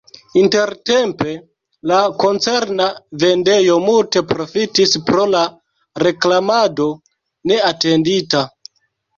Intertempe la koncerna vendejo multe profitis pro la reklamado neatendita.